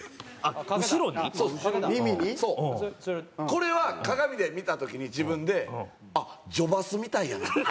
これは鏡で見た時に自分であっ女バスみたいやなって。